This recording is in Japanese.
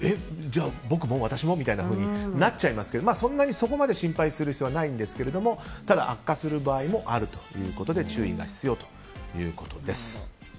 じゃあ僕も、私も？みたいになっちゃいますけどそんなにそこまで心配する必要はないんですけどただ、悪化する場合もあるということで注意が必要ということです。